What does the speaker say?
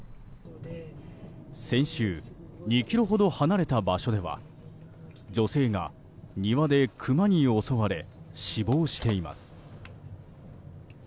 先週、２ｋｍほど離れた場所では女性が庭でクマに襲われ死亡しています。